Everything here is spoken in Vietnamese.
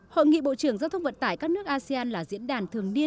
hội nghị bộ trưởng giao thông vận tải các nước asean là diễn đàn thường niên